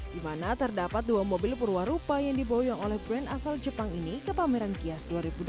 di mana terdapat dua mobil perwarupa yang diboyong oleh brand asal jepang ini ke pameran kias dua ribu dua puluh